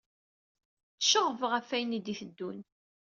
Tceɣɣbeɣ ɣef ayen i d-iteddun.